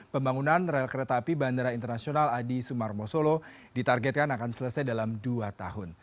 pembangunan rel kereta api bandara internasional adi sumarmo solo ditargetkan akan selesai dalam dua tahun